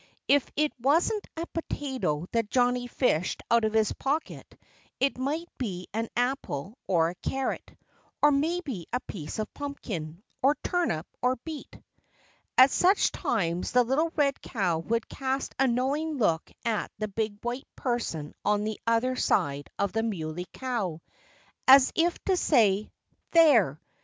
If it wasn't a potato that Johnnie fished out of his pocket it might be an apple or a carrot, or maybe a piece of pumpkin, or turnip, or beet. At such times the little red cow would cast a knowing look at the big white person on the other side of the Muley Cow, as if to say, "There!